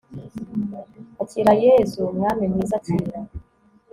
akira yezu mwami mwiza; akira